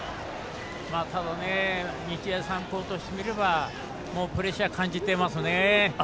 ただ日大三高としてみればプレッシャー感じてますね。